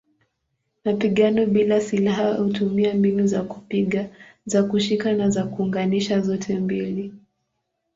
Mapigano bila silaha hutumia mbinu za kupiga, za kushika na za kuunganisha zote mbili.